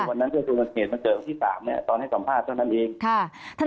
วันนั้นดูวันเหตุมันเกิดที่๓ตอนให้สัมภาษณ์เท่านั้นเอง